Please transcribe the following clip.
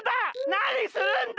なにするんだ！